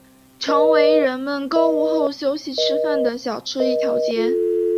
成为人们购物后休息吃饭的小吃一条街。